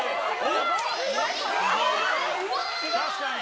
確かに。